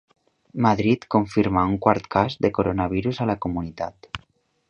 Madrid confirma un quart cas de coronavirus a la comunitat.